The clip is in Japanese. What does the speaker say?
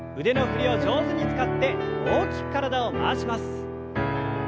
腕の振りを上手に使って大きく体を回します。